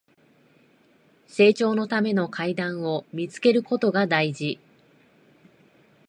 成長のための階段を見つけることが大事